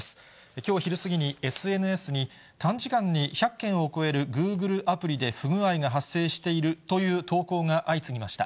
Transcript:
きょう昼過ぎにＳＮＳに、短時間に１００件を超えるグーグルアプリで不具合が発生しているという投稿が相次ぎました。